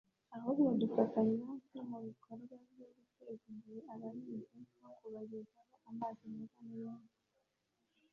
ahubwo dufatanya no mu bikorwa byo guteza imbere abahinzi nko kubagezaho amazi meza n’ibindi